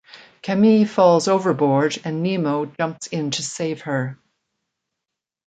Camille falls overboard and Nemo jumps into save her.